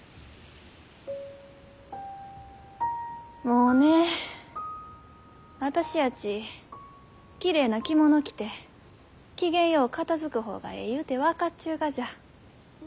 もうね私やちきれいな着物着て機嫌よう片づく方がえいゆうて分かっちゅうがじゃ。